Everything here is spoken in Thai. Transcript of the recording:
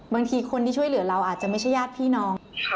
บางทีคนที่ช่วยเหลือเราอาจจะไม่ใช่ญาติพี่น้อง